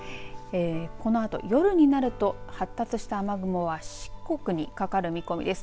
このあと夜になると発達した雨雲は四国にかかる見込みです。